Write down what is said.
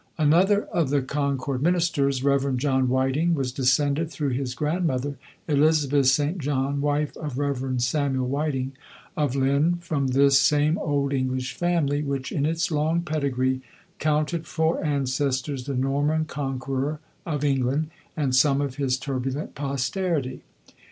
Another of the Concord ministers, Rev. John Whiting, was descended, through his grandmother, Elizabeth St. John, wife of Rev. Samuel Whiting, of Lynn, from this same old English family, which, in its long pedigree, counted for ancestors the Norman Conqueror of England and some of his turbulent posterity.